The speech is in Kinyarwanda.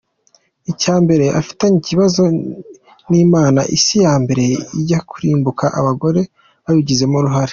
Icya mbere afitanye ikibazo n’Imana ,Isi ya mbere ijya kurimbuka abagore babigizemo uruhare”.